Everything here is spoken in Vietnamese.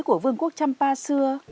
của vương quốc trầm pa xưa